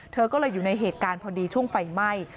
เธอก็เลยอยู่ในเหตุการณ์พอดีช่วงไฟไหม้